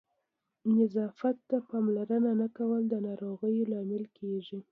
نظافت ته پاملرنه نه کول د ناروغیو لامل کېږي.